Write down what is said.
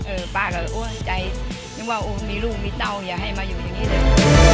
อือป่าคำว่าโอ๊ยใจนึกว่ามีลูกมีเตาอยากให้มาอยู่อยู่นี่เลย